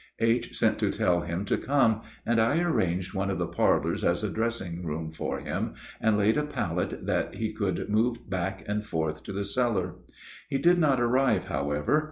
H. sent to tell him to come, and I arranged one of the parlors as a dressing room for him, and laid a pallet that he could move back and forth to the cellar. He did not arrive, however.